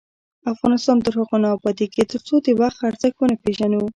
افغانستان تر هغو نه ابادیږي، ترڅو د وخت ارزښت ونه پیژنو.